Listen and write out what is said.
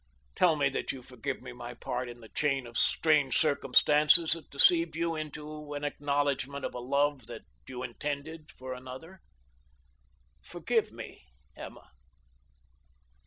Tell me that you forgive me my part in the chain of strange circumstances that deceived you into an acknowledgment of a love that you intended for another. Forgive me, Emma!"